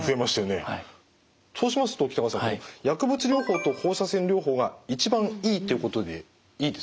そうしますと北川さん薬物療法と放射線療法が一番いいってことでいいですか？